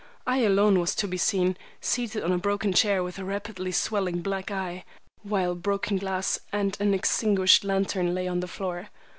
I alone was to be seen, seated on a broken chair, with a rapidly swelling black eye, while broken glass and an extinguished lantern lay on the floor.